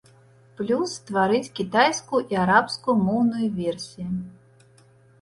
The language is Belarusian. Плюс стварыць кітайскую і арабскую моўныя версіі.